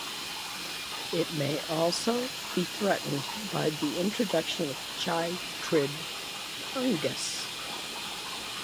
It may also be threatened by the introduction of chytrid fungus.